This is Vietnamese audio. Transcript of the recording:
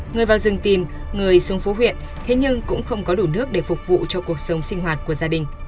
người vào rừng tìm người xuống phố huyện thế nhưng cũng không có đủ nước để phục vụ cho cuộc sống sinh hoạt của gia đình